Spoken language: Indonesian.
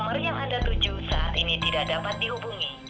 nomor yang anda tuju saat ini tidak dapat dihubungi